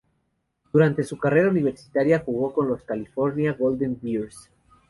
Durante su carrera universitaria jugó con los California Golden Bears.